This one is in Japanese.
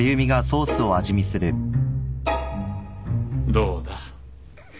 どうだ？